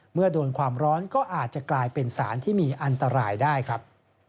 เมื่อโดนความร้อนก็อาจจะกลายเป็นสารที่มีอันตรายได้ครับ